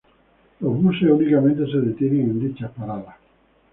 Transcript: Los buses únicamente se detienen en dichas paradas.